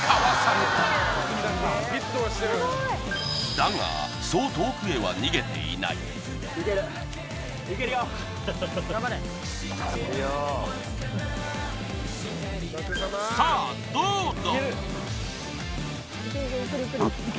だがそう遠くへは逃げていないさあどうだ？